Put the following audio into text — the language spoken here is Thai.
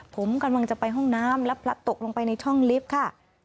ผมกำลังจะไปห้องน้ำและพลัดตกลงไปในช่องลิฟต์ค่ะ